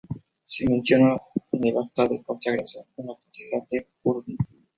Se menciona en el acta de consagración de la catedral de Urgell.